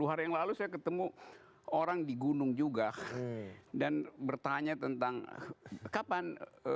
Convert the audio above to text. sepuluh hari yang lalu saya ketemu orang di gunung juga dan bertanya tentang kapan